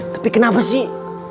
tapi kenapa sih